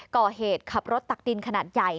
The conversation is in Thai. ก่อเหตุขับรถตักดินขนาดใหญ่